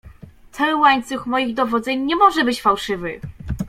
"Cały łańcuch moich dowodzeń nie może być fałszywy."